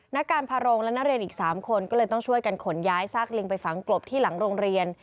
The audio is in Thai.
นักการพาโรงและนักเรียนอีก๓คนก็เลยต้องช่วยกันขนย้ายซากลิงไปฝังกลบที่หลังโรงเรียน